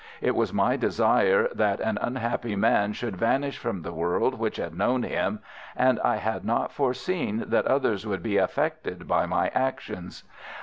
It was my desire that an unhappy man should vanish from the world which had known him, but I had not foreseen that others would be affected by my actions.